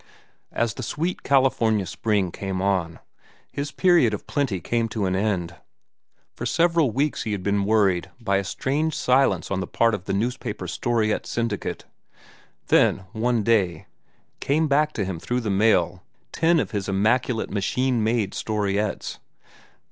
As the sweet California spring came on, his period of plenty came to an end. For several weeks he had been worried by a strange silence on the part of the newspaper storiette syndicate. Then, one day, came back to him through the mail ten of his immaculate machine made storiettes.